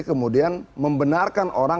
kemudian membenarkan orang